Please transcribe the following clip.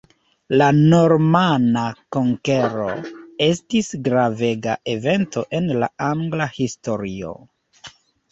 La normana konkero estis gravega evento en la angla historio.